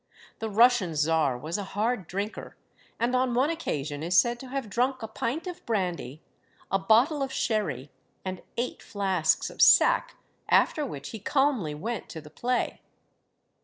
The Russian czar was a hard drinker, and on one occasion is said to have drunk a pint of brandy, a bottle of sherry, and eight flasks of sack, after which he calmly went to the play.